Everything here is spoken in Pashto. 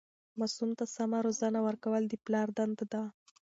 ماسوم ته سمه روزنه ورکول د پلار دنده ده.